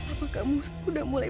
apakahmu sudah mulai